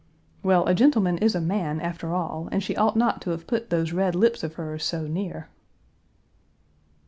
"Well, a gentleman is a man, after all, and she ought not to have put those red lips of hers so near."